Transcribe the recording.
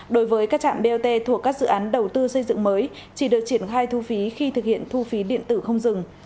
đối với các trạm bot thuộc các dự án đầu tư xây dựng mới chỉ được triển khai thu phí khi thực hiện thu phí điện tử không dừng